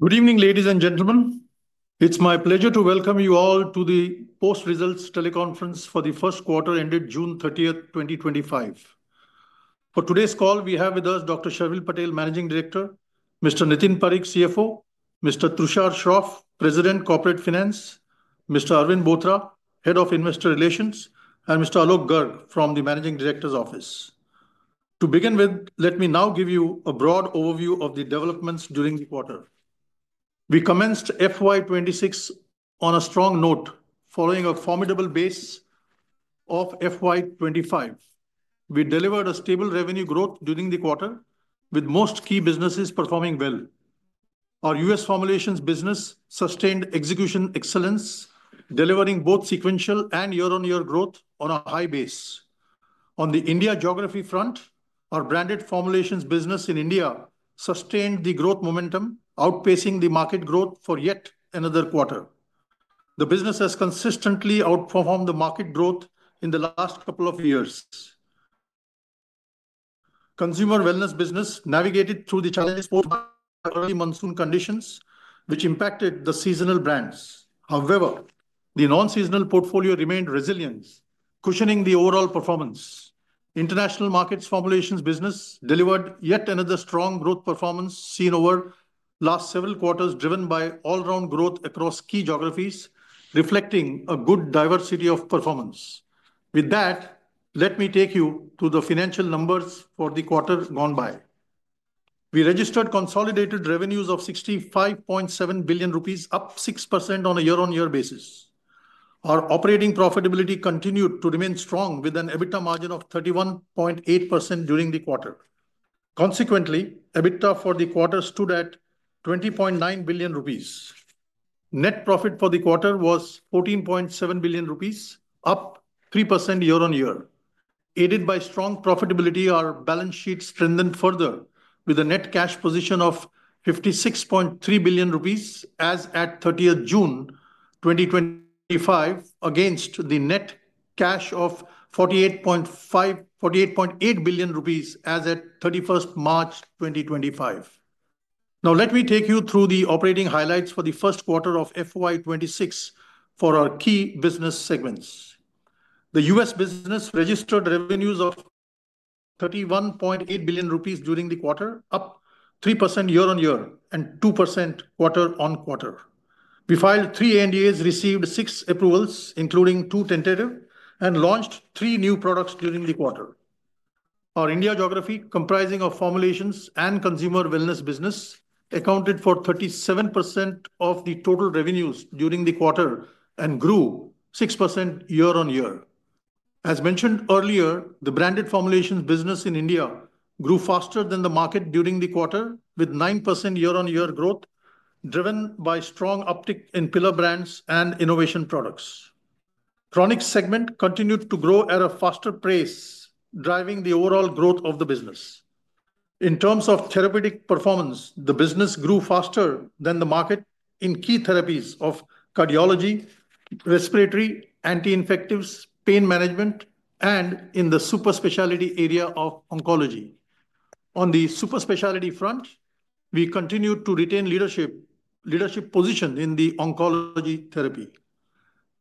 Good evening, ladies and gentlemen. It's my pleasure to welcome you all to the post-results teleconference for the first quarter ended June 30, 2025. For today's call, we have with us Dr. Sharvil Patel, Managing Director; Mr. Nitin Parekh, CFO; Mr. Trushar Shroff, President, Corporate Finance; Mr. Arvind Bothra, Head of Investor Relations; and Mr. Alok Garg from the Managing Director's Office. To begin with, let me now give you a broad overview of the developments during the quarter. We commenced FY 2026 on a strong note, following a formidable base of FY 2025. We delivered a stable revenue growth during the quarter, with most key businesses performing well. Our U.S. Formulations business sustained execution excellence, delivering both sequential and year-on-year growth on a high base. On the India geography front, our branded Formulations business in India sustained the growth momentum, outpacing the market growth for yet another quarter The business has consistently outperformed the market growth in the last couple of years. Consumer wellness business navigated through the challenges of early monsoon conditions, which impacted the seasonal brands. However, the non-seasonal portfolio remained resilient, cushioning the overall performance. International markets Formulations business delivered yet another strong growth performance seen over the last several quarters, driven by all-round growth across key geographies, reflecting a good diversity of performance. With that, let me take you to the financial numbers for the quarter gone by. We registered consolidated revenues of 65.7 billion rupees, up 6% on a year-on-year basis. Our operating profitability continued to remain strong, with an EBITDA margin of 31.8% during the quarter. Consequently, EBITDA for the quarter stood at 20.9 billion rupees. Net profit for the quarter was 14.7 billion rupees, up 3% year-on-year. Aided by strong profitability, our balance sheet strengthened further, with a net cash position of 56.3 billion rupees as at June 30, 2025, against the net cash of 48.8 billion rupees as at March 31, 2025. Now, let me take you through the operating highlights for the first quarter of FY 2026 for our key business segments. The U.S. business registered revenues of 31.8 billion rupees during the quarter, up 3% year-on-year and 2% quarter-on-quarter. We filed three NDAs, received six approvals, including two tentative, and launched three new products during the quarter. Our India geography, comprising of Formulations and Consumer Wellness business, accounted for 37% of the total revenues during the quarter and grew 6% year-on-year. As mentioned earlier, the branded Formulations business in India grew faster than the market during the quarter, with 9% year-on-year growth, driven by strong uptick in pillar brands and innovation products. Chronics segment continued to grow at a faster pace, driving the overall growth of the business. In terms of therapeutic performance, the business grew faster than the market in key therapies of cardiology, respiratory, anti-infectives, pain management, and in the super specialty area of oncology. On the super specialty front, we continued to retain leadership position in the oncology therapy.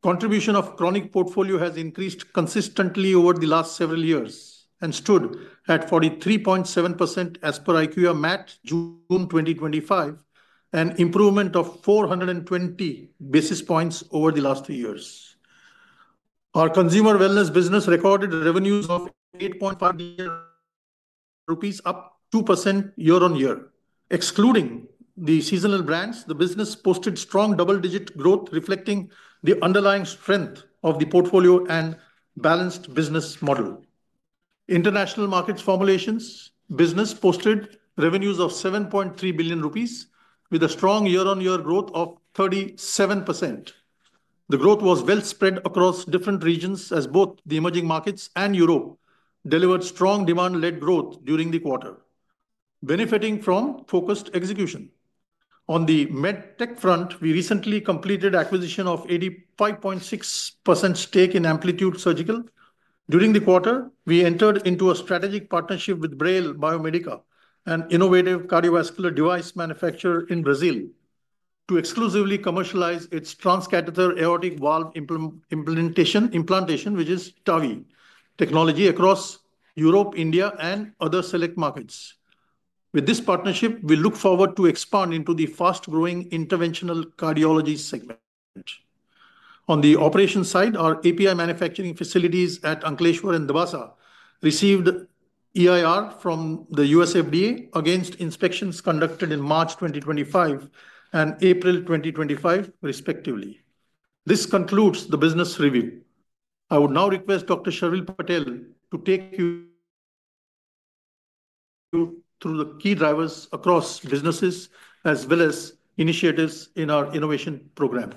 Contribution of the Chronic portfolio has increased consistently over the last several years and stood at 43.7% as per IQIA-MAT June 2025, an improvement of 420 basis points over the last three years. Our Consumer Wellness business recorded revenues of 8.5 billion rupees, up 2% year-on-year. Excluding the seasonal brands, the business posted strong double-digit growth, reflecting the underlying strength of the portfolio and balanced business model. International markets Formulations business posted revenues of 7.3 billion rupees, with a strong year-on-year growth of 37%. The growth was well-spread across different regions, as both the emerging markets and Europe delivered strong demand-led growth during the quarter, benefiting from focused execution. On the medtech front, we recently completed acquisition of 85.6% stake in Amplitude Surgical. During the quarter, we entered into a strategic partnership with Braile Biomedica, an innovative cardiovascular device manufacturer in Brazil, to exclusively commercialize its transcatheter aortic valve implantation, which is TAVI technology, across Europe, India, and other select markets. With this partnership, we look forward to expanding into the fast-growing interventional cardiology segment. On the operations side, our API manufacturing facilities at Ankleshwar and Dabhasa received EIR from the U.S. FDA against inspections conducted in March 2025 and April 2025, respectively. This concludes the business review. I would now request Dr. Sharvil Patel to take you through the key drivers across businesses as well as initiatives in our innovation program.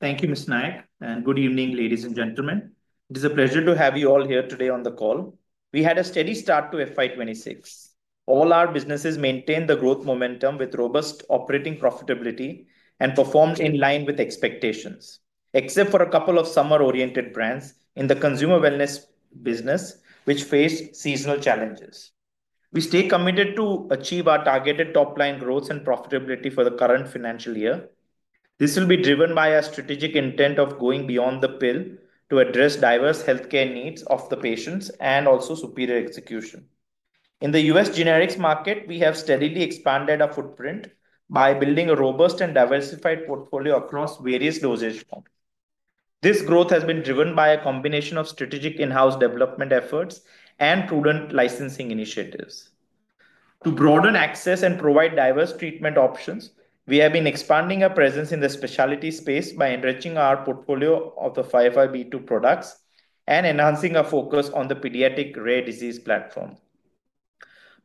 Thank you, Mr. Nayak, and good evening, ladies and gentlemen. It is a pleasure to have you all here today on the call. We had a steady start to FY 2026. All our businesses maintained the growth momentum with robust operating profitability and performed in line with expectations, except for a couple of summer-oriented brands in the consumer wellness business, which faced seasonal challenges. We stay committed to achieve our targeted top-line growth and profitability for the current financial year. This will be driven by our strategic intent of going beyond the pill to address diverse healthcare needs of the patients and also superior execution. In the U.S. generics market, we have steadily expanded our footprint by building a robust and diversified portfolio across various doses. This growth has been driven by a combination of strategic in-house development efforts and prudent licensing initiatives. To broaden access and provide diverse treatment options, we have been expanding our presence in the specialty space by enriching our portfolio of the 505(b)(2) products and enhancing our focus on the pediatric rare disease platform.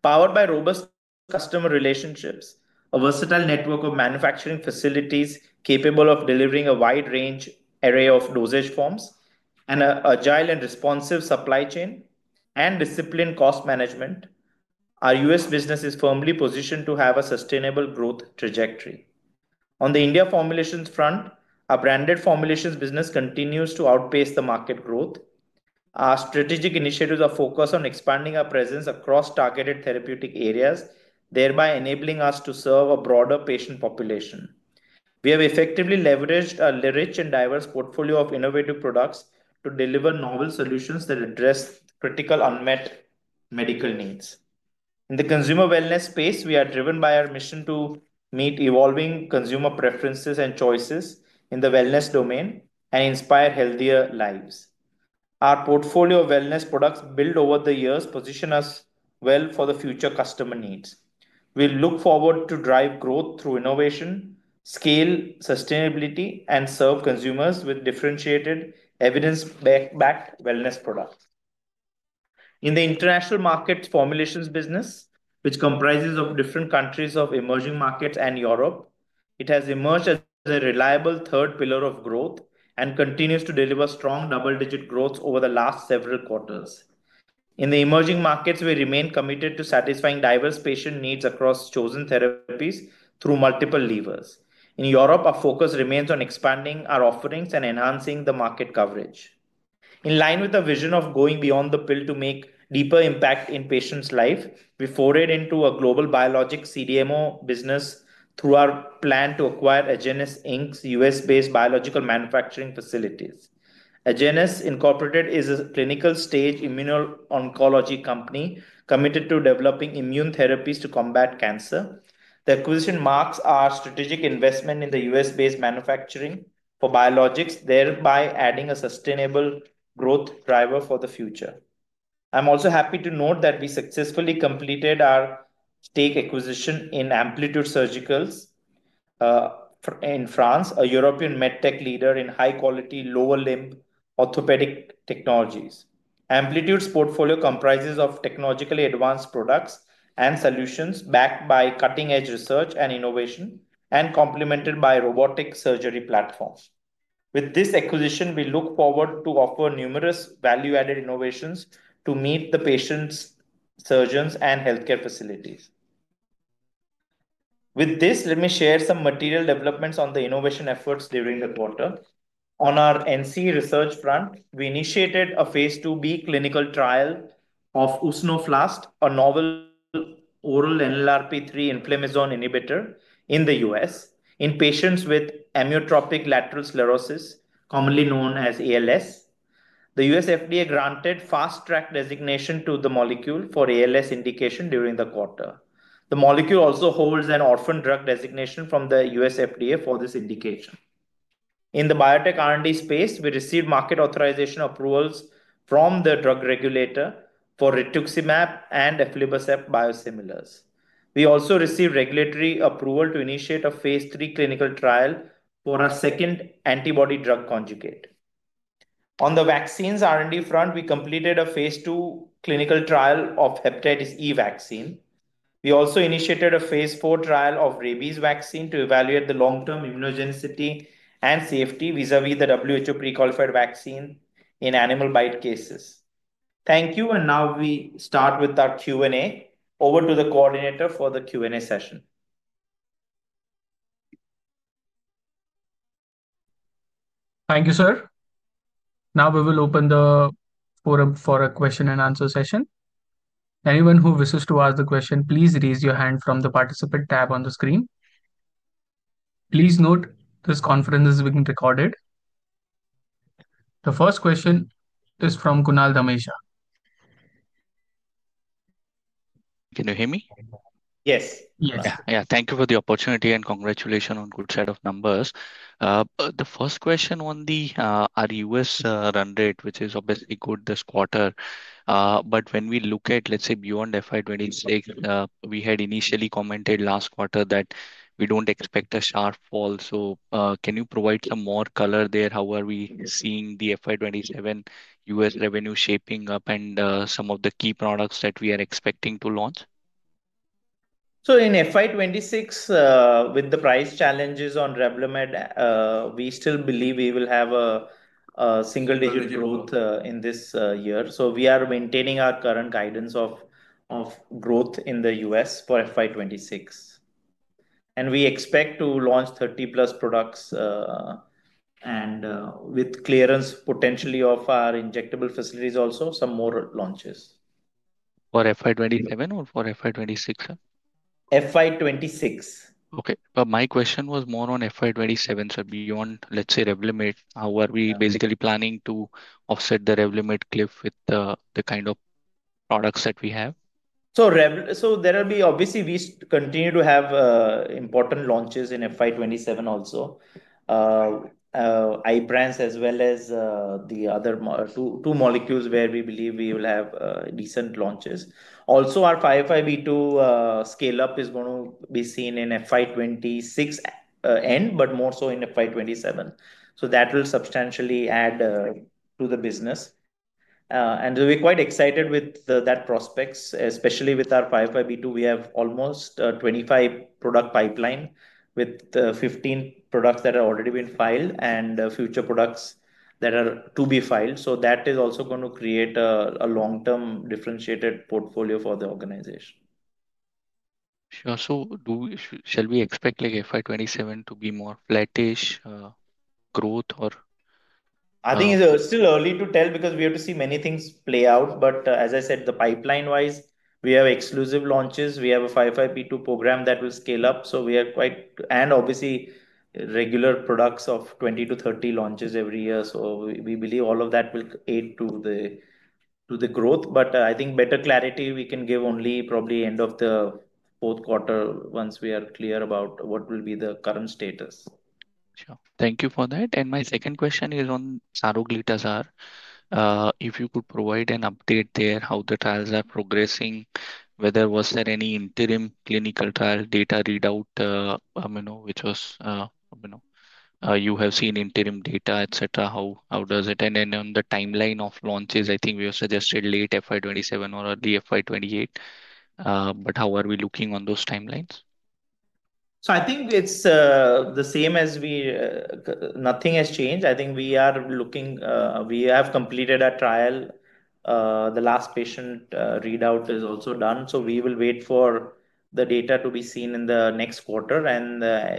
Powered by robust customer relationships, a versatile network of manufacturing facilities capable of delivering a wide range of dosage forms, an agile and responsive supply chain, and disciplined cost management, our U.S. business is firmly positioned to have a sustainable growth trajectory. On the India formulations front, our branded formulations business continues to outpace the market growth. Our strategic initiatives are focused on expanding our presence across targeted therapeutic areas, thereby enabling us to serve a broader patient population. We have effectively leveraged a rich and diverse portfolio of innovative products to deliver novel solutions that address critical unmet medical needs. In the consumer wellness space, we are driven by our mission to meet evolving consumer preferences and choices in the wellness domain and inspire healthier lives. Our portfolio of wellness products built over the years positions us well for the future customer needs. We look forward to driving growth through innovation, scale, sustainability, and serving consumers with differentiated, evidence-backed wellness products. In the international markets formulations business, which comprises different countries of emerging markets and Europe, it has emerged as a reliable third pillar of growth and continues to deliver strong double-digit growth over the last several quarters. In the emerging markets, we remain committed to satisfying diverse patient needs across chosen therapies through multiple levers. In Europe, our focus remains on expanding our offerings and enhancing the market coverage. In line with our vision of going beyond the pill to make a deeper impact in patients' lives, we forayed into a global biologics CDMO business through our plan to acquire Agenus Inc.'s U.S.-based biological manufacturing facilities. Agenus Inc. is a clinical-stage immuno-oncology company committed to developing immune therapies to combat cancer. The acquisition marks our strategic investment in the U.S.-based manufacturing for biologics, thereby adding a sustainable growth driver for the future. I'm also happy to note that we successfully completed our stake acquisition in Amplitude Surgical in France, a European medtech leader in high-quality lower limb orthopedic technologies. Amplitude's portfolio comprises technologically advanced products and solutions backed by cutting-edge research and innovation, and complemented by robotic surgery platforms. With this acquisition, we look forward to offering numerous value-added innovations to meet the patients, surgeons, and healthcare facilities. With this, let me share some material developments on the innovation efforts during the quarter. On our NCE research front, we initiated a phase II-B clinical trial of Usnoflast, a novel oral NLRP3 inflammasome inhibitor in the U.S., in patients with amyotrophic lateral sclerosis, commonly known as ALS. The U.S. FDA granted fast-track designation to the molecule for ALS indication during the quarter. The molecule also holds an orphan drug designation from the U.S. FDA for this indication. In the biotech R&D space, we received market authorization approvals from the drug regulator for Rituximab and Aflibercept biosimilars. We also received regulatory approval to initiate a phase III clinical trial for a second antibody drug conjugate. On the vaccines R&D front, we completed a phase II clinical trial of hepatitis E vaccine. We also initiated a phase IV trial of rabies vaccine to evaluate the long-term immunogenicity and safety vis-à-vis the WHO pre-qualified vaccine in animal bite cases. Thank you, and now we start with the Q&A. Over to the coordinator for the Q&A session. Thank you, sir. Now we will open the forum for a question-and-answer session. Anyone who wishes to ask a question, please raise your hand from the participant tab on the screen. Please note this conference is being recorded. The first question is from Kunal Dhamesha. Can you hear me? Yes. Thank you for the opportunity and congratulations on a good set of numbers. The first question on the U.S. run rate, which is obviously good this quarter. When we look at, let's say, beyond FY 2026, we had initially commented last quarter that we don't expect a sharp fall. Can you provide some more color there? How are we seeing the FY 2027 U.S. revenue shaping up and some of the key products that we are expecting to launch? In FY 2026, with the price challenges on Revlimid, we still believe we will have a single-digit growth in this year. We are maintaining our current guidance of growth in the U.S. for FY 2026, and we expect to launch 30+ products, with clearance potentially of our injectable facilities also, some more launches. For FY 2027 or for FY 2026? FY 2026. Okay. My question was more on FY 2027, sir, beyond, let's say, Revlimid. How are we basically planning to offset the Revlimid cliff with the kind of products that we have? There will be, obviously, we continue to have important launches in FY 2027 also. Ibrance as well as the other two molecules where we believe we will have decent launches. Also, our 505(b)(2) scale-up is going to be seen in FY 2026 end, but more so in FY 2027. That will substantially add to the business. We're quite excited with that prospect, especially with our 505(b)(2). We have almost a 25-product pipeline with 15 products that have already been filed and future products that are to be filed. That is also going to create a long-term differentiated portfolio for the organization. Sure, shall we expect like FY 2027 to be more flattish growth or? I think it's still early to tell because we have to see many things play out. As I said, pipeline-wise, we have exclusive launches. We have a 505(b)(2) program that will scale up. We are quite, and obviously, regular products of 20-30 launches every year. We believe all of that will aid to the growth. I think better clarity we can give only probably end of the fourth quarter once we are clear about what will be the current status. Sure. Thank you for that. My second question is on Saroglitazar. If you could provide an update there, how the trials are progressing, whether there was any interim clinical trial data readout, you know, which was, you know, you have seen interim data, etc. How does it, and then on the timeline of launches, I think we have suggested late FY 2027 or early FY 2028. How are we looking on those timelines? I think it's the same as we, nothing has changed. I think we are looking, we have completed a trial. The last patient readout is also done. We will wait for the data to be seen in the next quarter.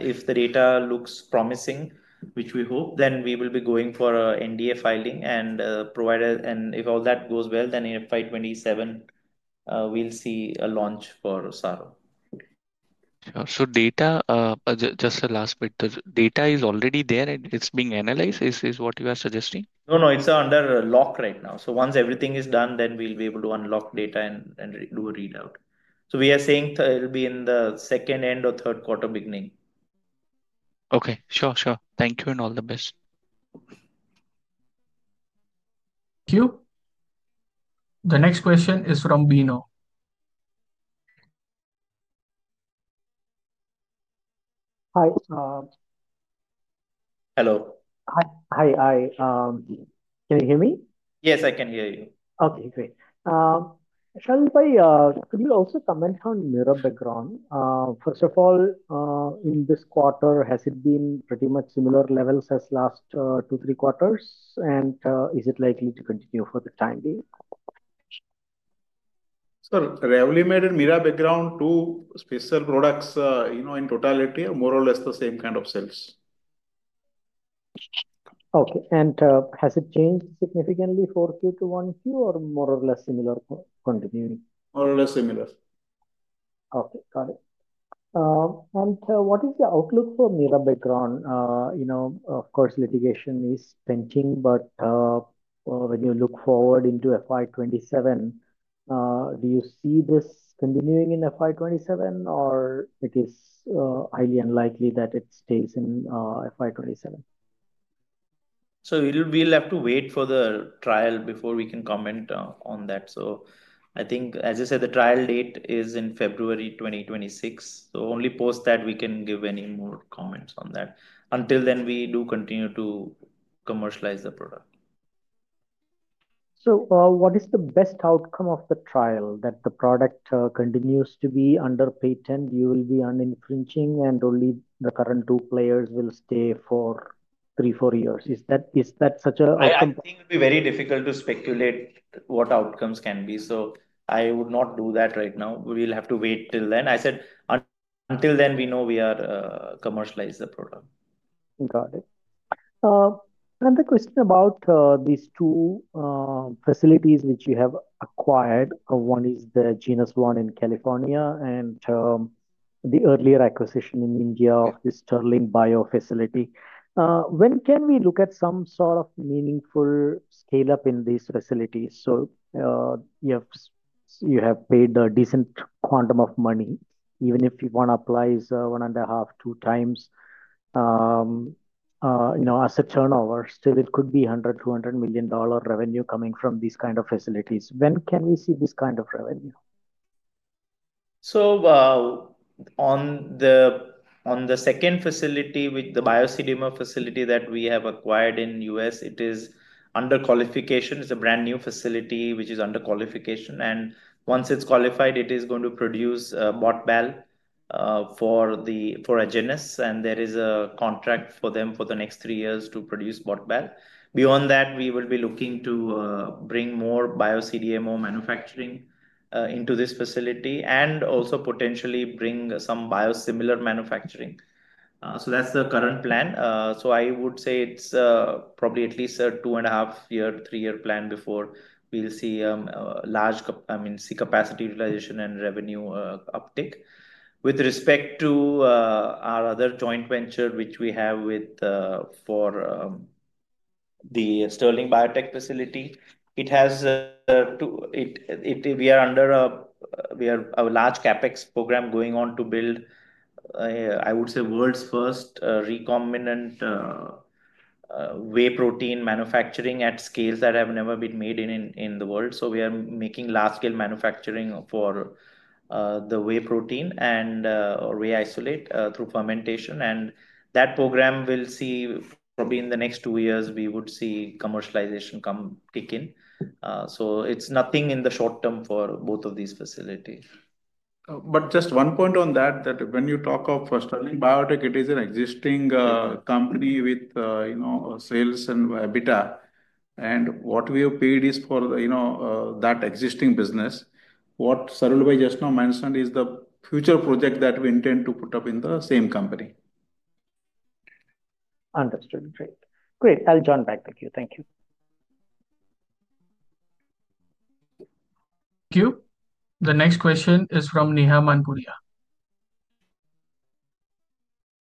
If the data looks promising, which we hope, then we will be going for NDA filing. If all that goes well, then in FY 2027, we'll see a launch for Saroglitazar. Sure. Just a last quick question. Data is already there and it's being analyzed? Is this what you are suggesting? No, no, it's under lock right now. Once everything is done, we'll be able to unlock data and do a readout. We're saying it'll be in the second end or third quarter beginning. Okay. Sure, sure. Thank you and all the best. Thank you. The next question is from Bino. Hi. Hello. Hi. Can you hear me? Yes, I can hear you. Okay, great. Dr. Sharvil Patel, could you also comment on the Mirabegron? First of all, in this quarter, has it been pretty much similar levels as last two, three quarters? Is it likely to continue for the time being? Sir, Revlimid and Mirabegron, two special products, you know, in totality, more or less the same kind of sales. Okay. Has it changed significantly for Q2, Q1 or more or less similar continuing? More or less similar. Okay. Got it. What is the outlook for Mirabegron? You know, of course, litigation is pending, but when you look forward into FY 2027, do you see this continuing in FY 2027, or is it highly unlikely that it stays in FY 2027? We will have to wait for the trial before we can comment on that. I think, as I said, the trial date is in February 2026. Only post that, we can give any more comments on that. Until then, we do continue to commercialize the product. What is the best outcome of the trial? That the product continues to be under patent, you will be unencroaching, and only the current two players will stay for three, four years. Is that such an outcome? I think it would be very difficult to speculate what outcomes can be. I would not do that right now. We'll have to wait till then. I said, until then, we know we are commercializing the product. Got it. The question about these two facilities which you have acquired, one is the Agenus Inc. one in California and the earlier acquisition in India of the Sterling Bio facility. When can we look at some sort of meaningful scale-up in these facilities? You have paid a decent quantum of money. Even if you want to apply one and a half, two times, you know, as a turnover, still it could be 100 million, INR 200 million revenue coming from these kinds of facilities. When can we see this kind of revenue? On the second facility, with the Agenus Inc. facility that we have acquired in the U.S., it is under qualification. It's a brand new facility which is under qualification. Once it's qualified, it is going to produce bot bulk for Agenus Inc. There is a contract for them for the next three years to produce bot bulk. Beyond that, we will be looking to bring more Agenus Inc. manufacturing into this facility and also potentially bring some biosimilar manufacturing. That's the current plan. I would say it's probably at least a two and a half year, three-year plan before we'll see a large, I mean, see capacity realization and revenue uptake. With respect to our other joint venture, which we have with the Sterling Biotech facility, we are under a large CapEx program going on to build, I would say, world's first recombinant whey protein manufacturing at scales that have never been made in the world. We are making large-scale manufacturing for the whey protein and whey isolate through fermentation. That program will see, probably in the next two years, we would see commercialization kick in. It's nothing in the short term for both of these facilities. Just one point on that, when you talk of Sterling Biotech, it is an existing company with, you know, sales and EBITDA. What we have paid is for, you know, that existing business. What Dr. Sharvil Patel just now mentioned is the future project that we intend to put up in the same company. Understood. Great. I'll join back with you. Thank you. Thank you. The next question is from Neha Manpuria.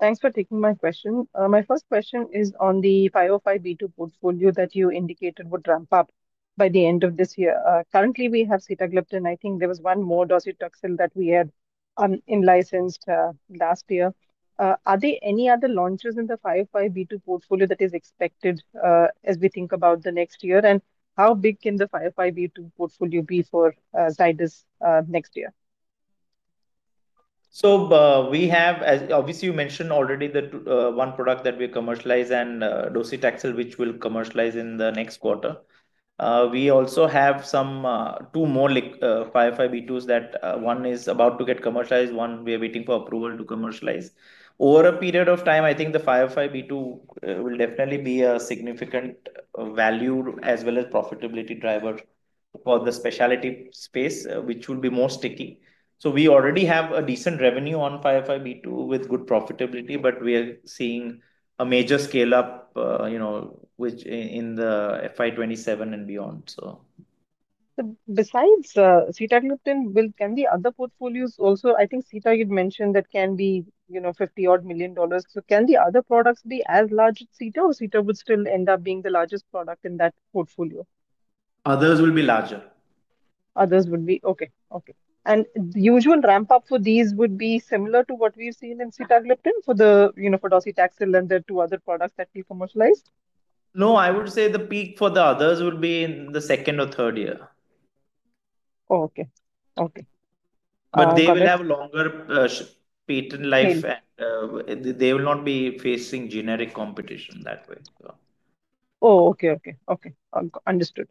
Thanks for taking my question. My first question is on the 505(b)(2) portfolio that you indicated would ramp up by the end of this year. Currently, we have Sitagliptin. I think there was one more, Docetaxel, that we had unlicensed last year. Are there any other launches in the 505(b)(2) portfolio that are expected as we think about the next year? How big can the 505(b)(2) portfolio be for Zydus next year? We have, as obviously you mentioned already, the one product that we commercialize and Docetaxel, which we'll commercialize in the next quarter. We also have two more 505(b)(2) products that one is about to get commercialized, one we are waiting for approval to commercialize. Over a period of time, I think the 505(b)(2) will definitely be a significant value as well as profitability driver for the specialty space, which will be more sticky. We already have a decent revenue on 505(b)(2) with good profitability, but we are seeing a major scale-up, you know, which is in FY 2027 and beyond. Besides Sitagliptin, can the other portfolios also, I think Ceta, you mentioned that can be, you know, INR 50 million. Can the other products be as large as Ceta or Ceta would still end up being the largest product in that portfolio? Others will be larger. Okay. The usual ramp-up for these would be similar to what we've seen in Sitagliptin for the Docetaxel and the two other products that we commercialized? No, I would say the peak for the others would be in the second or third year. Okay. Okay. They will have longer patent life, and they will not be facing generic competition that way. Okay. Understood.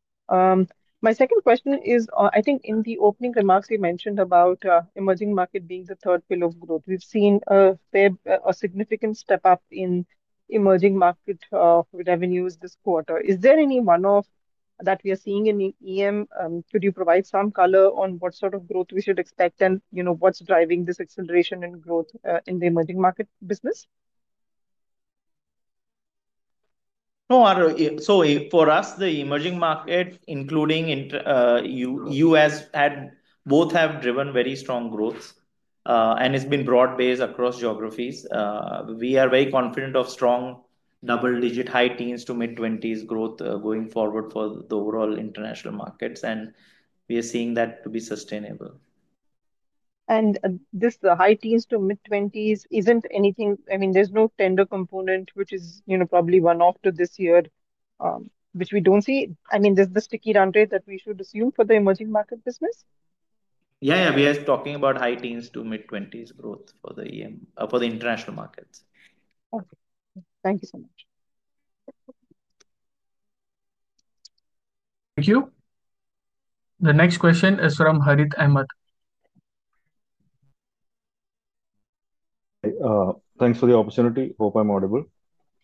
My second question is, I think in the opening remarks, you mentioned about emerging market being the third pillar of growth. We've seen a significant step up in emerging market revenues this quarter. Is there any one-off that we are seeing in the EM? Could you provide some color on what sort of growth we should expect and what's driving this acceleration in growth in the emerging market business? For us, the emerging market, including in the U.S., both have driven very strong growth, and it's been broad-based across geographies. We are very confident of strong double-digit high teens to mid-20s growth going forward for the overall international markets, and we are seeing that to be sustainable. The high teens to mid-20s isn't anything, I mean, there's no tender component, which is probably one-off to this year, which we don't see. There's the sticky run rate that we should assume for the emerging market business? Yeah, we are talking about high teens to mid-20s growth for the international markets. Okay, thank you so much. Thank you. The next question is from Harit Ahmad. Thanks for the opportunity. Hope I'm audible.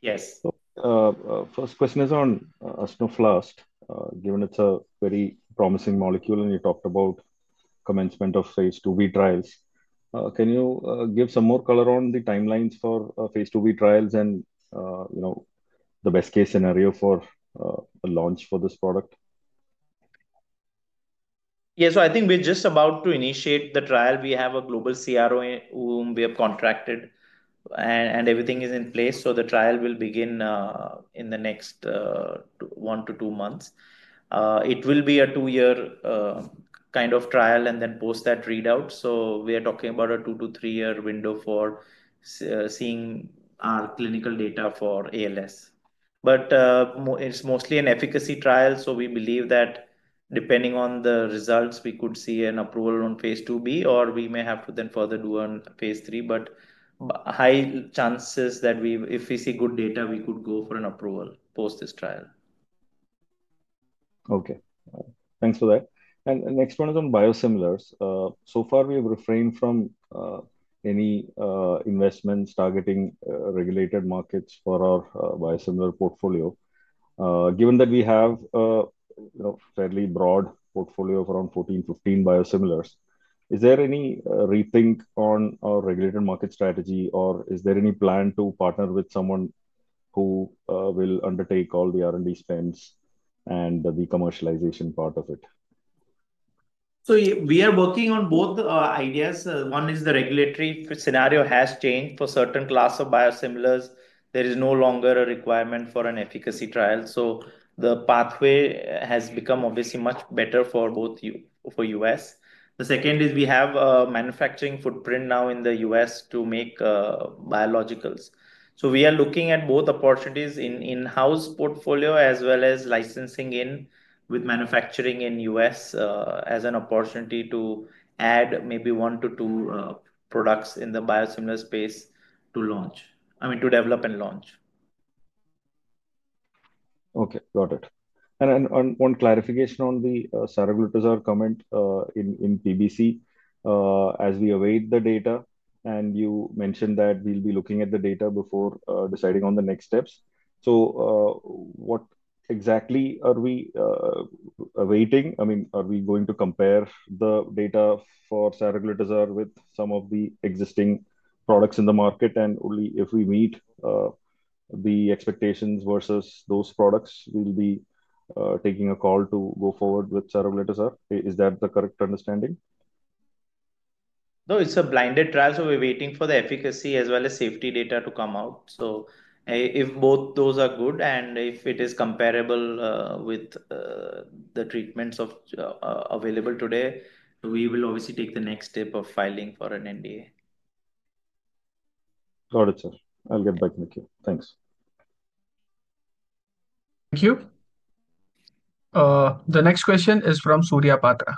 Yes. First question is on Usnoflast, given it's a very promising molecule, and you talked about commencement of phase II-B trials. Can you give some more color on the timelines for phase II-B trials and, you know, the best-case scenario for the launch for this product? I think we're just about to initiate the trial. We have a global CRO whom we have contracted, and everything is in place. The trial will begin in the next one to two months. It will be a two-year kind of trial and then post that readout. We are talking about a two to three-year window for seeing our clinical data for ALS. It's mostly an efficacy trial, so we believe that depending on the results, we could see an approval on phase II-B, or we may have to then further do a phase III. High chances that if we see good data, we could go for an approval post this trial. Thank you for that. The next one is on biosimilars. So far, we have refrained from any investments targeting regulated markets for our biosimilar portfolio. Given that we have a fairly broad portfolio of around 14-15 biosimilars, is there any rethink on our regulated market strategy, or is there any plan to partner with someone who will undertake all the R&D spends and the commercialization part of it? We are working on both ideas. One is the regulatory scenario has changed for certain class of biosimilars. There is no longer a requirement for an efficacy trial, so the pathway has become obviously much better for both you for U.S. The second is we have a manufacturing footprint now in the U.S. to make biologicals. We are looking at both opportunities in in-house portfolio as well as licensing in with manufacturing in the U.S. as an opportunity to add maybe one to two products in the biosimilar space to launch, I mean, to develop and launch. Okay, got it. One clarification on the Saroglitazar comment in PBC, as we await the data, you mentioned that we'll be looking at the data before deciding on the next steps. What exactly are we awaiting? I mean, are we going to compare the data for Saroglitazar with some of the existing products in the market, and only if we meet the expectations versus those products, we'll be taking a call to go forward with Saroglitazar? Is that the correct understanding? No, it's a blinded trial, so we're waiting for the efficacy as well as safety data to come out. If both those are good and if it is comparable with the treatments available today, we will obviously take the next step of filing for an NDA. Got it, sir. I'll get back with you. Thanks. Thank you. The next question is from Surya Patra.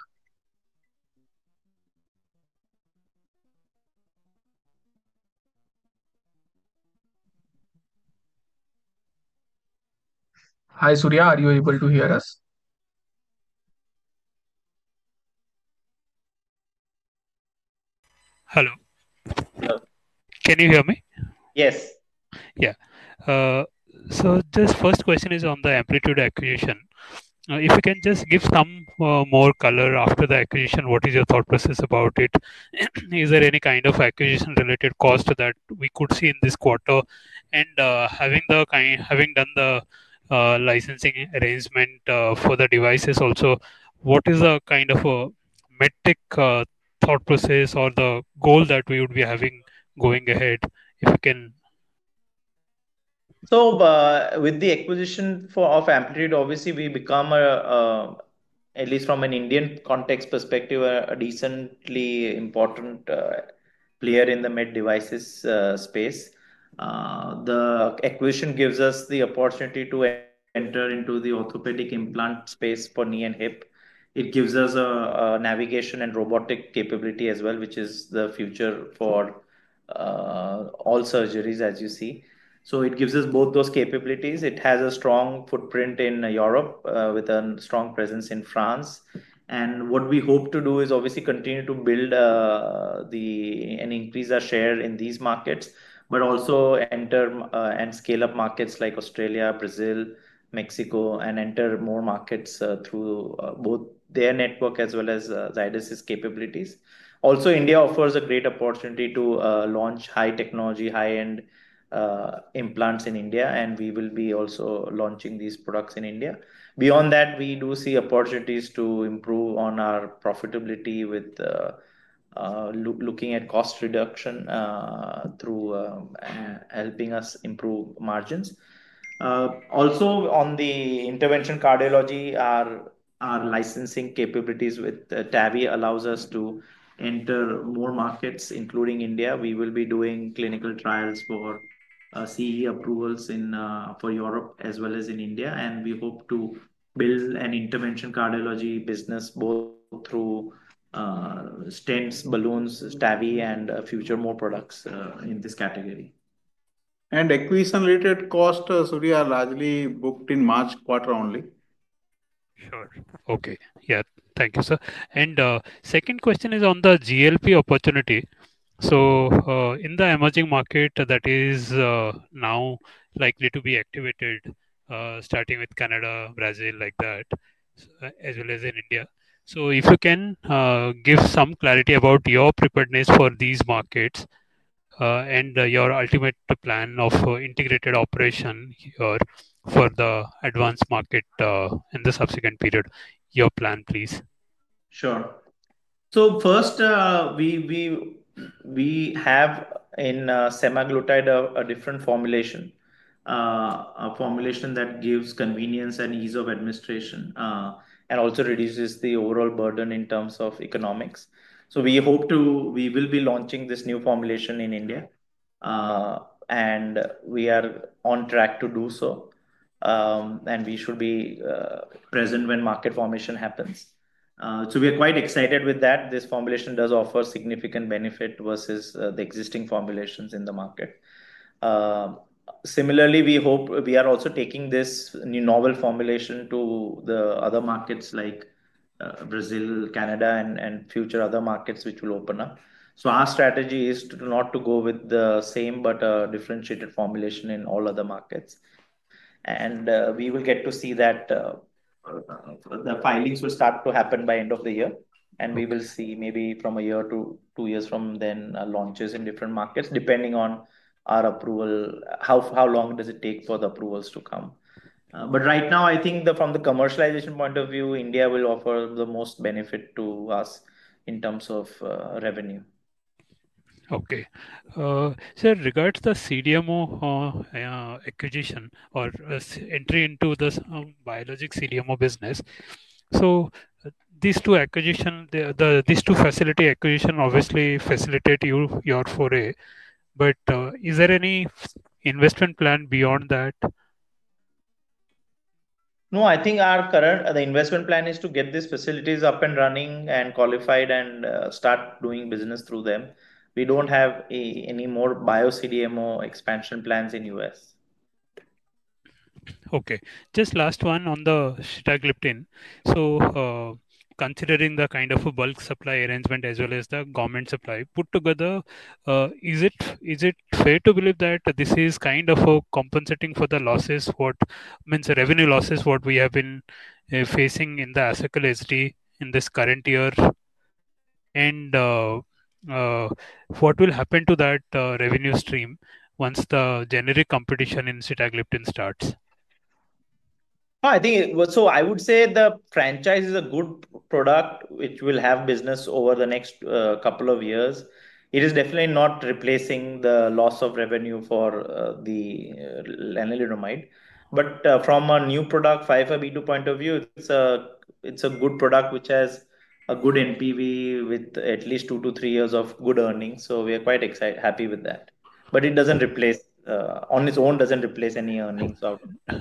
Hi, Surya. Are you able to hear us? Hello, can you hear me? Yes. Yeah. First question is on the Amplitude acquisition. If you can just give some more color after the acquisition, what is your thought process about it? Is there any kind of acquisition-related cost that we could see in this quarter? Having done the licensing arrangement for the devices also, what is the kind of a metric thought process or the goal that we would be having going ahead, if you can? With the acquisition of Amplitude Surgical, obviously, we become, at least from an Indian context perspective, a decently important player in the med devices space. The acquisition gives us the opportunity to enter into the orthopedic implant space for knee and hip. It gives us a navigation and robotic capability as well, which is the future for all surgeries, as you see. It gives us both those capabilities. It has a strong footprint in Europe with a strong presence in France. What we hope to do is obviously continue to build an increased share in these markets, but also enter and scale up markets like Australia, Brazil, Mexico, and enter more markets through both their network as well as Zydus's capabilities. India offers a great opportunity to launch high-technology, high-end implants in India, and we will be also launching these products in India. Beyond that, we do see opportunities to improve on our profitability with looking at cost reduction through helping us improve margins. Also, on the intervention cardiology, our licensing capabilities with TAVI technology allow us to enter more markets, including India. We will be doing clinical trials for CE approvals for Europe as well as in India, and we hope to build an intervention cardiology business both through stents, balloons, TAVI technology, and future more products in this category. And acquisition-related costs, Surya, largely booked in March quarter only. Sure. Thank you, sir. The second question is on the GLP opportunity. In the emerging market that is now likely to be activated, starting with Canada, Brazil, like that, as well as in India, if you can give some clarity about your preparedness for these markets and your ultimate plan of integrated operation for the advanced market in the subsequent period, your plan, please. Sure. First, we have in semaglutide a different formulation, a formulation that gives convenience and ease of administration and also reduces the overall burden in terms of economics. We hope to, we will be launching this new formulation in India, and we are on track to do so. We should be present when market formation happens. We are quite excited with that. This formulation does offer significant benefit versus the existing formulations in the market. Similarly, we hope we are also taking this new novel formulation to other markets like Brazil, Canada, and future other markets which will open up. Our strategy is not to go with the same but differentiated formulation in all other markets. We will get to see that the filings will start to happen by the end of the year, and we will see maybe from a year to two years from then launches in different markets depending on our approval, how long it takes for the approvals to come. Right now, I think from the commercialization point of view, India will offer the most benefit to us in terms of revenue. Okay. Sir, regards to the CDMO acquisition or entry into the biologics CDMO business, these two acquisitions, these two facility acquisitions obviously facilitate your foray, but is there any investment plan beyond that? No, I think our current investment plan is to get these facilities up and running and qualified and start doing business through them. We don't have any more biologics CDMO expansion plans in the U.S.. Okay. Just last one on the Sitagliptin. Considering the kind of a bulk supply arrangement as well as the government supply put together, is it fair to believe that this is kind of compensating for the losses, what means the revenue losses we have been facing in the Asacol HD in this current year? What will happen to that revenue stream once the generic competition in Sitagliptin starts? I think I would say the franchise is a good product which will have business over the next couple of years. It is definitely not replacing the loss of revenue for the lenalidomide. From a new product 505(b)(2) point of view, it's a good product which has a good NPV with at least two to three years of good earnings. We are quite excited, happy with that. It doesn't replace, on its own, doesn't replace any earnings.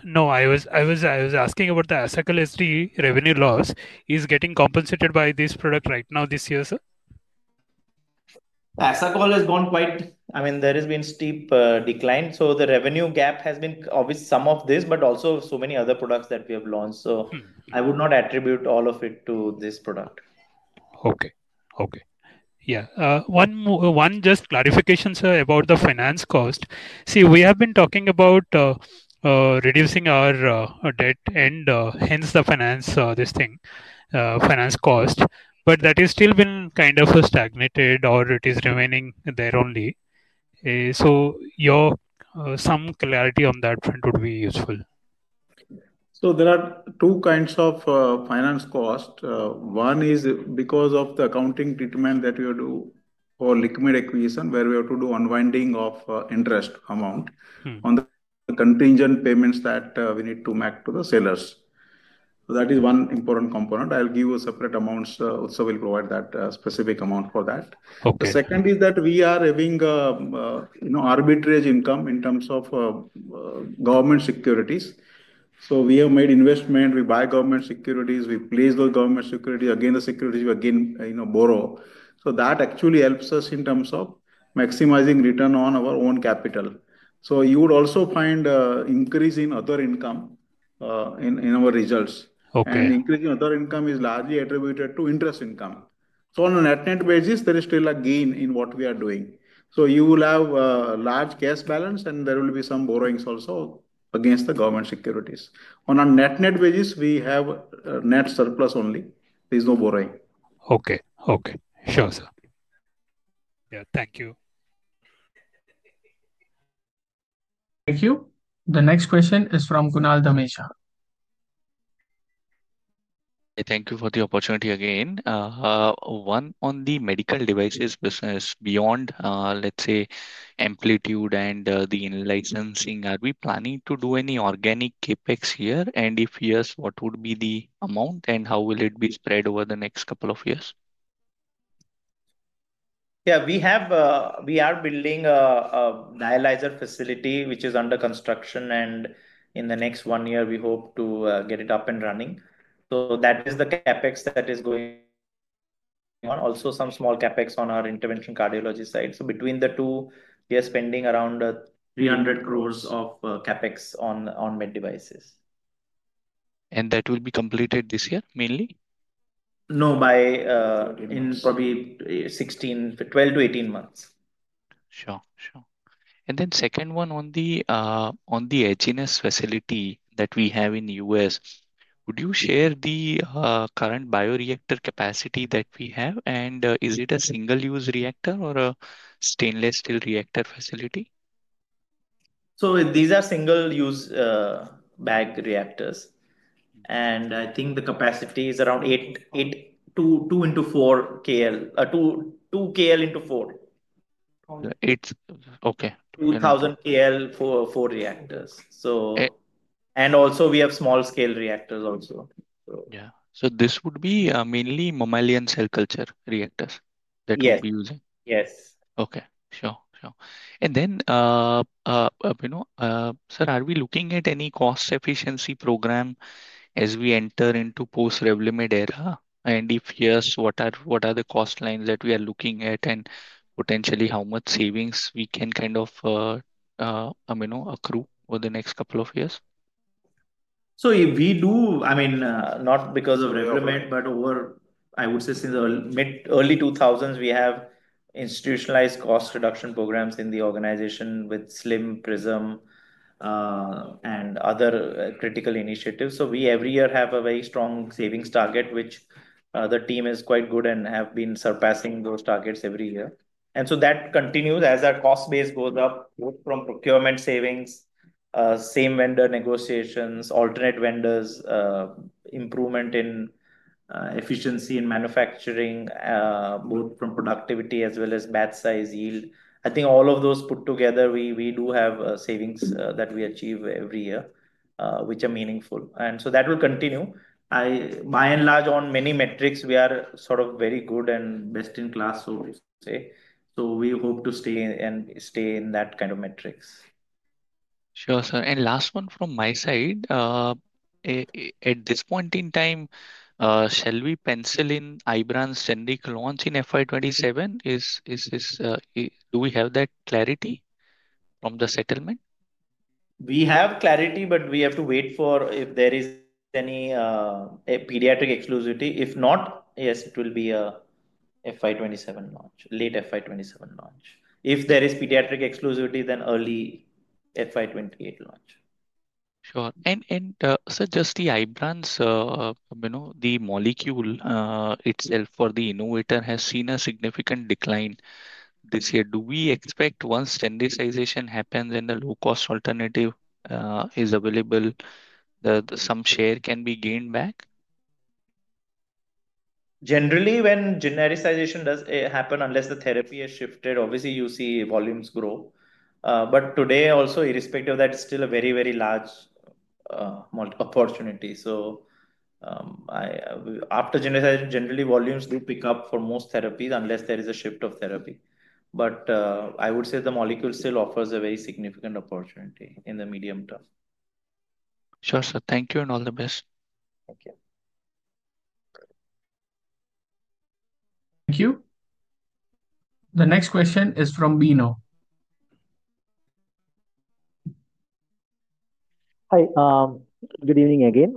No, I was asking about the Asacol HD revenue loss. Is it getting compensated by this product right now this year, sir? HD has gone quiet, I mean, there has been a steep decline. The revenue gap has been obviously some of this, but also so many other products that we have launched. I would not attribute all of it to this product. Okay. Okay. Yeah. One just clarification, sir, about the finance cost. See, we have been talking about reducing our debt and hence the finance cost, but that has still been kind of stagnated or it is remaining there only. Your some clarity on that front would be useful. There are two kinds of finance cost. One is because of the accounting treatment that we do for liquid acquisition where we have to do unwinding of interest amount on the contingent payments that we need to make to the sellers. That is one important component. I'll give you separate amounts. Also, we'll provide that specific amount for that. The second is that we are having, you know, arbitrage income in terms of government securities. We have made investment, we buy government securities, we place those government securities, again the securities we again, you know, borrow. That actually helps us in terms of maximizing return on our own capital. You would also find an increase in other income in our results. The increase in other income is largely attributed to interest income. On a net-net basis, there is still a gain in what we are doing. You will have a large cash balance and there will be some borrowings also against the government securities. On a net-net basis, we have net surplus only. There is no borrowing. Okay. Okay. Sure, sir. Yeah. Thank you. Thank you. The next question is from Kunal Dhamesha. Thank you for the opportunity again. One on the medical devices business beyond, let's say, Amplitude and the licensing. Are we planning to do any organic CapEx here? If yes, what would be the amount and how will it be spread over the next couple of years? Yeah, we are building a dialyzer facility which is under construction and in the next one year, we hope to get it up and running. That is the CapEx that is going on. Also, some small CapEx on our intervention cardiology side. Between the two, we are spending around 300 crore of CapEx on med devices. Will that be completed this year mainly? No, probably in 12-18 months. Sure. The second one on the HNS facility that we have in the U.S., would you share the current bioreactor capacity that we have, and is it a single-use reactor or a stainless steel reactor facility? These are single-use bag reactors. I think the capacity is around eight to 2KL into 4 KL, 2 KL into 4. Okay. 2,000 KL for 4 reactors, and also we have small-scale reactors also. Yeah, this would be mainly mammalian cell culture reactors that we'll be using? Yes. Okay. Sure. Are we looking at any cost efficiency program as we enter into post-Revlimid era? If yes, what are the cost lines that we are looking at and potentially how much savings we can kind of accrue over the next couple of years? We do, I mean, not because of Revlimid, but over, I would say, since the mid-early 2000s, we have institutionalized cost reduction programs in the organization with SLIM, PRISM, and other critical initiatives. Every year we have a very strong savings target, which the team is quite good and have been surpassing those targets every year. That continues as our cost base goes up, both from procurement savings, same vendor negotiations, alternate vendors, improvement in efficiency in manufacturing, both from productivity as well as batch size yield. I think all of those put together, we do have savings that we achieve every year, which are meaningful. That will continue. By and large, on many metrics, we are sort of very good and best in class, so to say. We hope to stay and stay in that kind of metrics. Sure, sir. Last one from my side. At this point in time, shall we pencil in Ibrance Zendic launch in FY 2027? Do we have that clarity from the settlement? We have clarity, but we have to wait for if there is any pediatric exclusivity. If not, yes, it will be a FY 2027 launch, late FY 2027 launch. If there is pediatric exclusivity, then early FY 2028 launch. Sure. Sir, just the Ibrance, you know, the molecule itself for the innovator has seen a significant decline this year. Do we expect once standardization happens and the low-cost alternative is available that some share can be gained back? Generally, when genericization does happen, unless the therapy is shifted, obviously you see volumes grow. Today, also, irrespective of that, it's still a very, very large opportunity. After genericization, generally volumes do pick up for most therapies unless there is a shift of therapy. I would say the molecule still offers a very significant opportunity in the medium term. Sure, sir. Thank you and all the best. Thank you. Thank you. The next question is from Bino. Hi. Good evening again.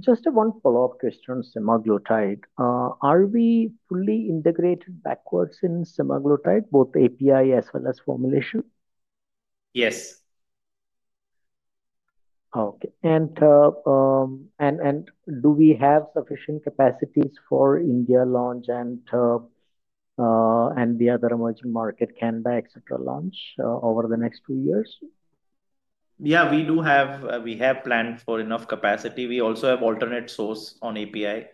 Just one follow-up question on semaglutide. Are we fully integrated backwards in semaglutide, both API as well as formulation? Yes. Okay. Do we have sufficient capacities for India launch and the other emerging market, Canada, etc., launch over the next two years? Yeah, we do have, we have planned for enough capacity. We also have alternate source on API.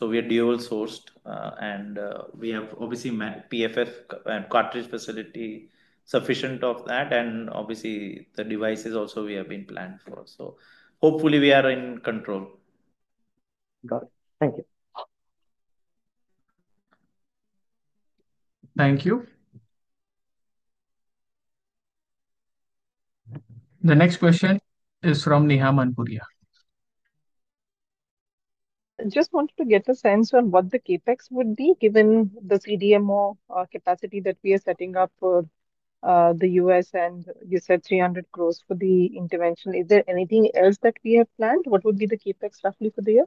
We are dual sourced, and we have obviously PFF and cartridge facility sufficient of that, and obviously the devices also we have been planned for. Hopefully, we are in control. Got it. Thank you. Thank you. The next question is from Neha Manpuria. I just wanted to get a sense of what the CapEx would be given the CDMO capacity that we are setting up for the U.S., and you said 300 crore for the intervention. Is there anything else that we have planned? What would be the CapEx roughly for the year?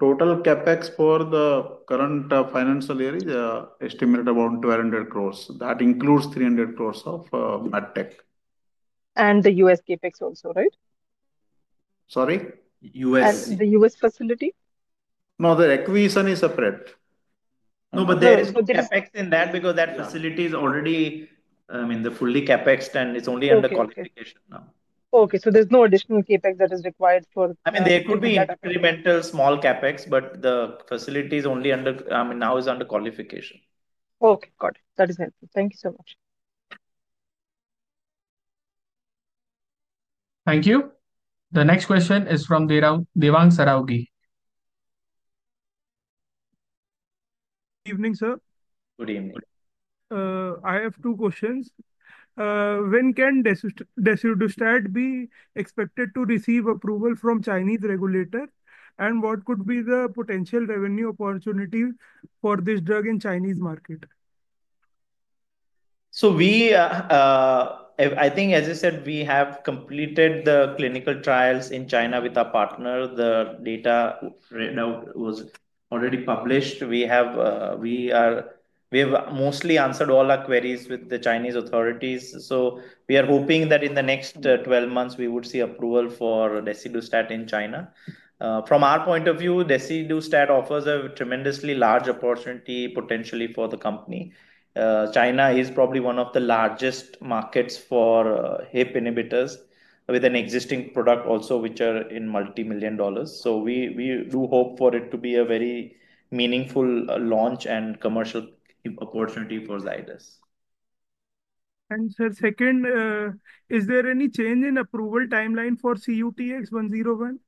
Total CapEx for the current financial year is estimated around 200 crore. That includes 300 crore of medtech. The U.S. CapEx also, right? Sorry? The U.S. facility? No, the acquisition is separate. No, there is no CapEx in that because that facility is already, I mean, they're fully CapExed and it's only under qualification now. There is no additional CapEx that is required for. There could be incremental small CapEx, but the facility is only under, now is under qualification. Okay. Got it. That is helpful. Thank you so much. Thank you. The next question is from Devang Saravgi. Evening, sir. Good evening. I have two questions. When can Desidustat be expected to receive approval from Chinese regulator, and what could be the potential revenue opportunity for this drug in the Chinese market? I think, as I said, we have completed the clinical trials in China with our partner. The data was already published. We have mostly answered all our queries with the Chinese authorities. We are hoping that in the next 12 months, we would see approval for Desidustat in China. From our point of view, Desidustat offers a tremendously large opportunity potentially for the company. China is probably one of the largest markets for HIP inhibitors with an existing product also which are in multi-million dollars. We do hope for it to be a very meaningful launch and commercial opportunity for Zydus. Is there any change in approval timeline for CUTX-101?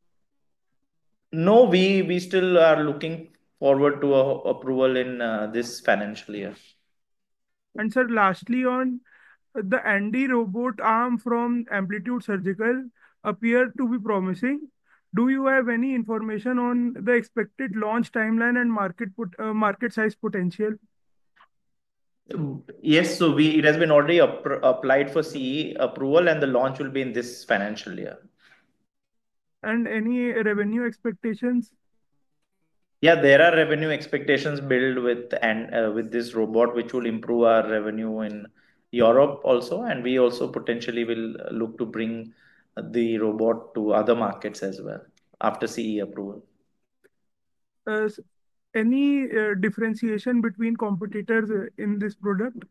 No, we still are looking forward to approval in this financial year. Sir, lastly, on the ND robot arm from Amplitude Surgical, it appeared to be promising. Do you have any information on the expected launch timeline and market size potential? Yes, it has been already applied for CE approval, and the launch will be in this financial year. Are there any revenue expectations? Yeah, there are revenue expectations built with this robot, which will improve our revenue in Europe also, and we also potentially will look to bring the robot to other markets as well after CE approval. Any differentiation between competitors in this product?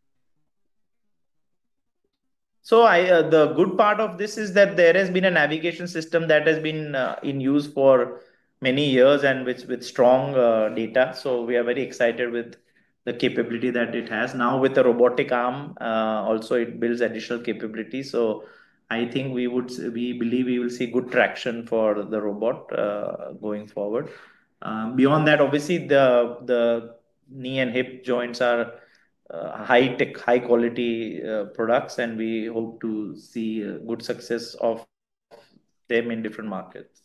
The good part of this is that there has been a navigation system that has been in use for many years and with strong data. We are very excited with the capability that it has. Now, with the robotic arm, also it builds additional capabilities. We believe we will see good traction for the robot going forward. Beyond that, obviously, the knee and hip joints are high-tech, high-quality products, and we hope to see good success of them in different markets.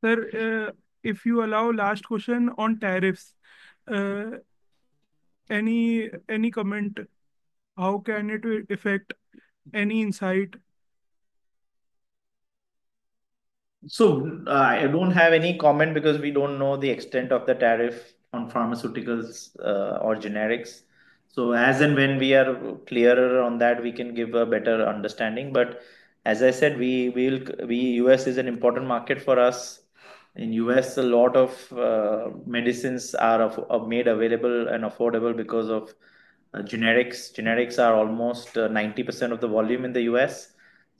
Sir, if you allow, last question on tariffs. Any comment? How can it affect, any insight? I don't have any comment because we don't know the extent of the tariff on pharmaceuticals or generics. As and when we are clearer on that, we can give a better understanding. As I said, the U.S. is an important market for us. In the U.S., a lot of medicines are made available and affordable because of generics. Generics are almost 90% of the volume in the U.S.,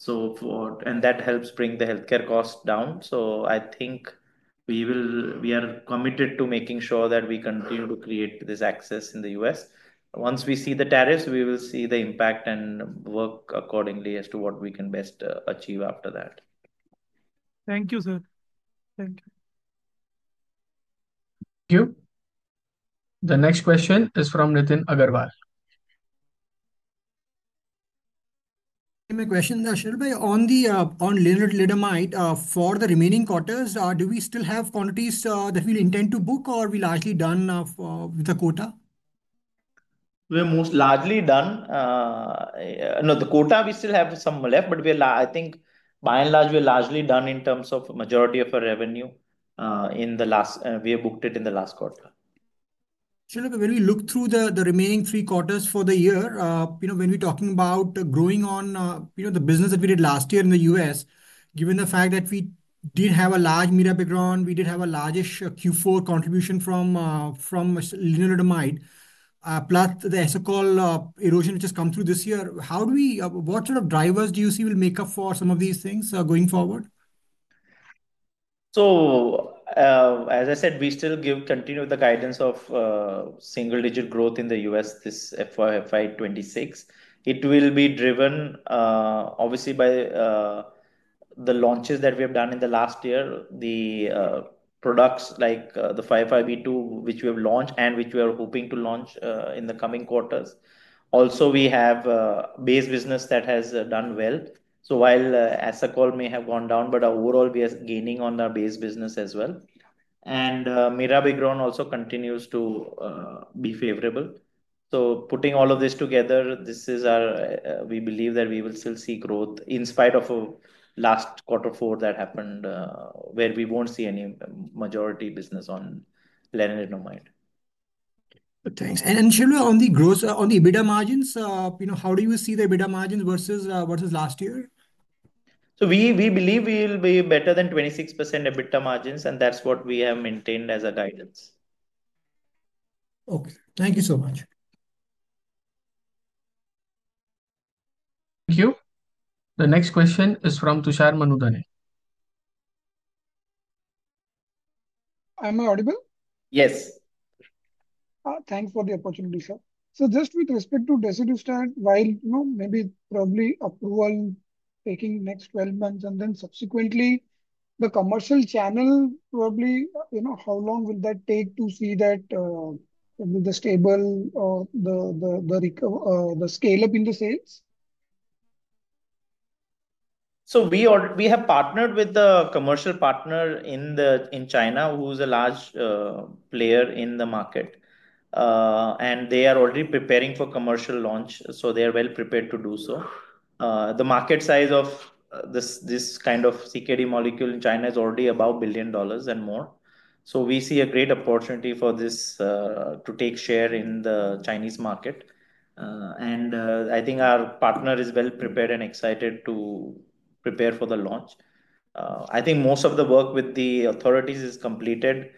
and that helps bring the healthcare cost down. I think we are committed to making sure that we continue to create this access in the U.S.. Once we see the tariffs, we will see the impact and work accordingly as to what we can best achieve after that. Thank you, sir. Thank you. Thank you. The next question is from Nitin Aggarwal. I have a question, Dr. Sharvil Patel, on the lenalidomide for the remaining quarters. Do we still have quantities that we'll intend to book or we're largely done with the quota? We're largely done. No, the quota we still have some left, but I think by and large, we're largely done in terms of the majority of our revenue, we have booked it in the last quarter. Sharvil Patel, when we look through the remaining three quarters for the year, you know, when we're talking about growing on, you know, the business that we did last year in the U.S., given the fact that we did have a large Mirabegron, we did have a largish Q4 contribution from lenalidomide, plus the Asacol HD erosion which has come through this year, how do we, what sort of drivers do you see will make up for some of these things going forward? As I said, we still continue with the guidance of single-digit growth in the U.S. this FY 2026. It will be driven obviously by the launches that we have done in the last year, the products like the 505(b)(2), which we have launched and which we are hoping to launch in the coming quarters. Also, we have a base business that has done well. While Asacol HD may have gone down, overall we are gaining on our base business as well. Mirabegron also continues to be favorable. Putting all of this together, we believe that we will still see growth in spite of the last Q4 that happened where we won't see any majority business on Revlimid. Thanks. Dr. Sharvil Patel, on the growth, on the EBITDA margins, how do you see the EBITDA margins versus last year? We believe we will be better than 26% EBITDA margins, and that's what we have maintained as a guidance. Okay, thank you so much. Thank you. The next question is from Tushar Manudhane. Am I audible? Yes. Thanks for the opportunity, sir. Just with respect to Desidustat, while you know, maybe probably approval taking the next 12 months and then subsequently, the commercial channel probably, you know, how long will that take to see that probably the stable or the scale-up in the sales? We have partnered with the commercial partner in China who is a large player in the market, and they are already preparing for commercial launch. They are well prepared to do so. The market size of this kind of CKD molecule in China is already about INR 1 billion and more. We see a great opportunity for this to take share in the Chinese market. I think our partner is well prepared and excited to prepare for the launch. I think most of the work with the authorities is completed,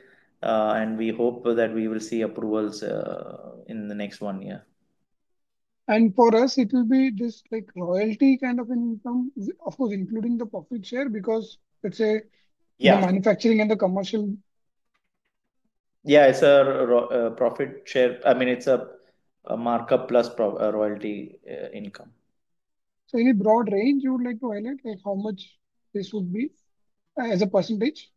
and we hope that we will see approvals in the next one year. For us, it will be this like royalty kind of income, of course, including the profit share because it's a manufacturing and the commercial. Yeah, it's a profit share. I mean, it's a markup plus royalty income. Are there any broad range you would like to highlight, like how much this would be as a percentage?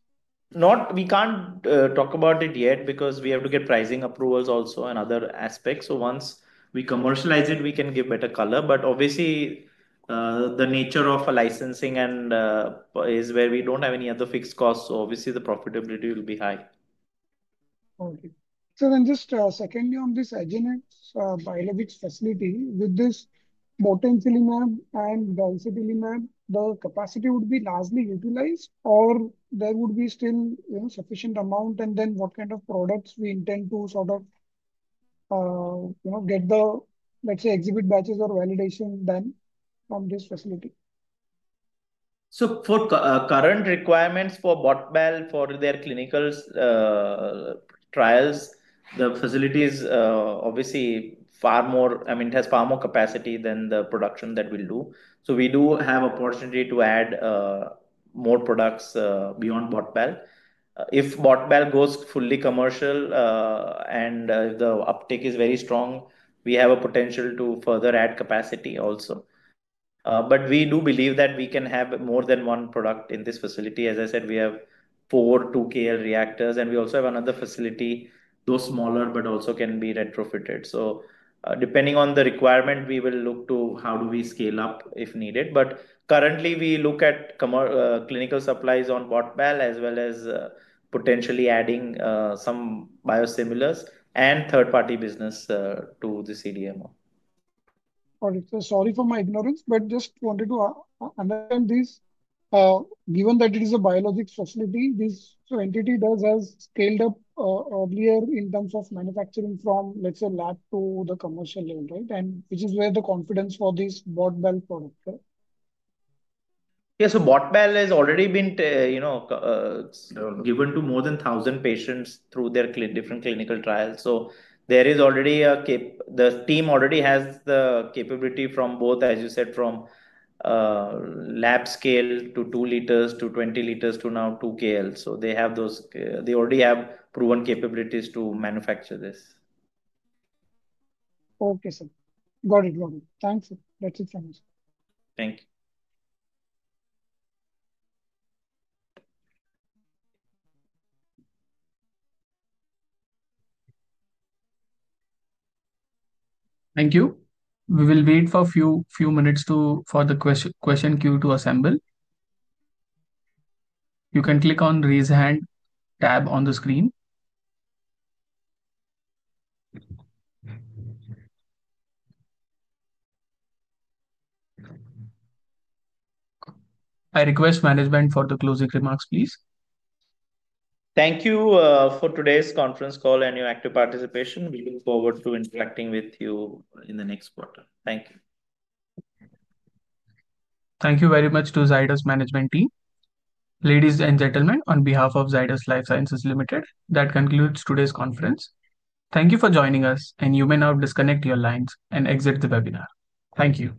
We can't talk about it yet because we have to get pricing approvals also and other aspects. Once we commercialize it, we can give better color. Obviously, the nature of licensing is where we don't have any other fixed costs, so the profitability will be high. Okay. Just a second, you're on this Agenus Biofeed facility with this botanical and the capacity would be largely utilized or there would be still a sufficient amount, and then what kind of products we intend to sort of get the, let's say, exhibit batches or validation done from this facility. For current requirements for BOT/BAL for their clinical trials, the facility is obviously far more, I mean, has far more capacity than the production that we'll do. We do have an opportunity to add more products beyond BOT/BAL. If BOT/BAL goes fully commercial and the uptake is very strong, we have a potential to further add capacity also. We do believe that we can have more than one product in this facility. As I said, we have four 2KL reactors and we also have another facility, though smaller, but also can be retrofitted. Depending on the requirement, we will look to how do we scale up if needed. Currently, we look at clinical supplies on BOT/BAL as well as potentially adding some biosimilars and third-party business to the CDMO. Sorry for my ignorance, but just wanted to understand this. Given that it is a biologics facility, this entity does have scaled up earlier in terms of manufacturing from, let's say, lab to the commercial level, and which is where the confidence for this bottleneck product? Yeah, so BOT/BAL has already been given to more than 1,000 patients through their different clinical trials. There is already a, the team already has the capability from both, as you said, from lab scale to 2 L to 20 L to now 2KL. They already have proven capabilities to manufacture this. Okay, sir. Got it. Got it. Thanks, sir. That's it for me, sir. Thank you. Thank you. We will wait for a few minutes for the question queue to assemble. You can click on the raise hand tab on the screen. I request management for the closing remarks, please. Thank you for today's conference call and your active participation. We look forward to interacting with you in the next quarter. Thank you. Thank you very much to Zydus Management Team. Ladies and gentlemen, on behalf of Zydus Lifesciences Limited, that concludes today's conference. Thank you for joining us, and you may now disconnect your lines and exit the webinar. Thank you.